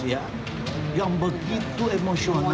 yang begitu emosional